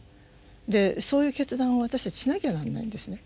でそういう決断を私たちしなきゃなんないんですね。